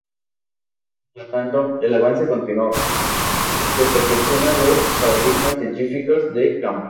Por lo tanto, en avance continuo, se perfecciona los paradigmas científicos de campo.